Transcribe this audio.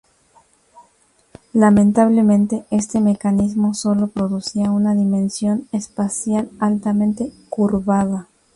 Lamentablemente este mecanismo sólo producía una dimensión espacial altamente curvada.